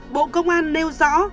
bộ công an nêu rõ